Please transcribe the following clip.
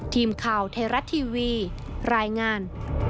ทีมข่าวไทยรัฐทีวีรายงาน